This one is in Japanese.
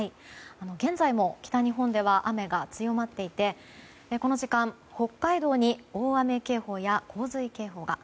現在も北日本では雨が強まっていてこの時間、北海道に大雨警報や洪水警報が。